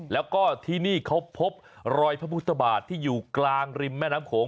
แล้วก็ที่นี่เขาพบรอยพระพุทธบาทที่อยู่กลางริมแม่น้ำโขง